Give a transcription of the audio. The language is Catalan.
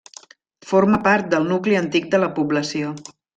Forma part del nucli antic de la població.